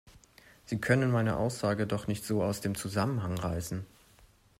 Sie können meine Aussage doch nicht so aus dem Zusammenhang reißen